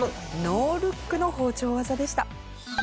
ノールックの包丁技でした。